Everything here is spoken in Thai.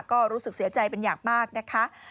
ก็รู้สึกเสียใจเป็นอย่างมากนะคะ